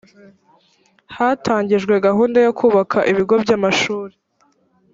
hatangijwe gahunda yo kubaka ibigo by’amashuli